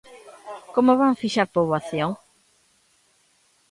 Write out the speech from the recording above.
¿Como van fixar poboación?